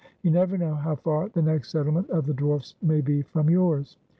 You never know how far the next settlement of the dwarfs may be from yours."